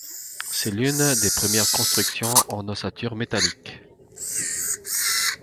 C'est l'une des premières constructions en ossature métallique.